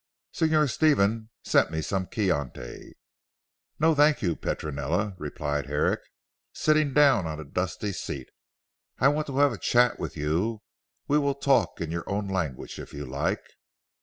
Signor Stefan sent me some Chianti." "No thank you Petronella," replied Herrick sitting down on a dusty seat, "I want to have a chat with you. We will talk in your own language if you like."